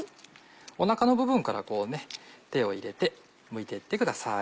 おなかの部分から手を入れてむいて行ってください。